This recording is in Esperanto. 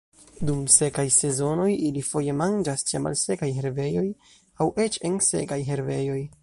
Dum sekaj sezonoj, ili foje manĝas ĉe malsekaj herbejoj aŭ eĉ en sekaj herbejoj.